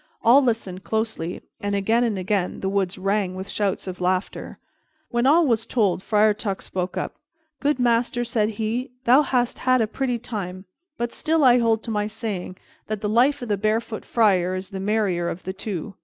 All listened closely, and again and again the woods rang with shouts of laughter. When all was told, Friar Tuck spoke up. "Good master," said he, "thou hast had a pretty time, but still I hold to my saying, that the life of the barefoot friar is the merrier of the two."